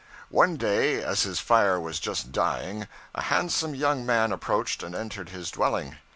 One day, as his fire was just dying, a handsome young man approached and entered his dwelling.